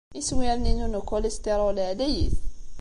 Iswiren-inu n ukulistiṛul ɛlayit.